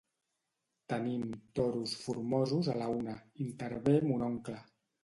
Tenim toros formosos a la una, intervé mon oncle.